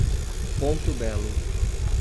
Ponto Belo